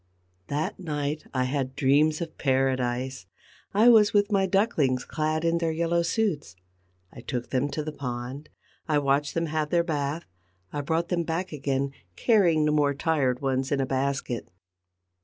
That night I had dreams of paradise: I was with my ducklings, clad in their yellow suits; I took them to the pond, I watched them have their bath, I brought them back again, carrying the more tired ones in a basket.